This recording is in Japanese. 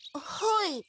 はい。